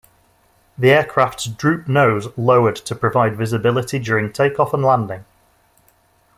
The aircraft's Droop-nose lowered to provide visibility during takeoff and landing.